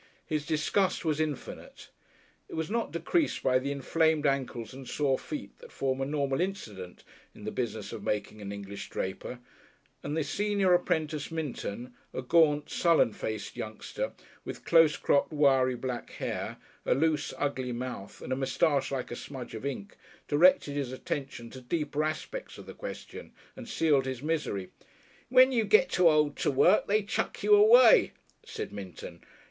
His disgust was infinite! It was not decreased by the inflamed ankles and sore feet that form a normal incident in the business of making an English draper; and the senior apprentice, Minton, a gaunt, sullen faced youngster with close cropped, wiry, black hair, a loose, ugly mouth, and a moustache like a smudge of ink, directed his attention to deeper aspects of the question and sealed his misery. "When you get too old to work they chuck you away," said Minton.